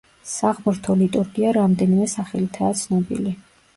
საღმრთო ლიტურგია რამდენიმე სახელითაა ცნობილი.